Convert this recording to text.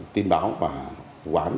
tin báo và quán